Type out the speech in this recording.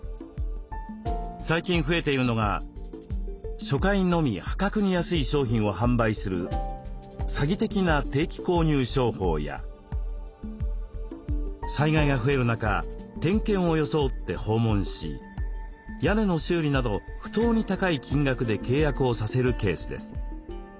最近増えているのが初回のみ破格に安い商品を販売する詐欺的な定期購入商法や災害が増える中点検を装って訪問し屋根の修理など不当に高い金額で契約をさせるケースです。